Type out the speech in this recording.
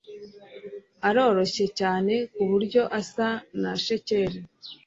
Aroroshye cyane kuburyo asa na skeleti.